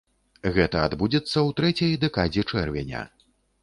Гэта адбудзецца у трэцяй дэкадзе чэрвеня.